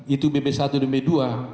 itu bb satu dan b dua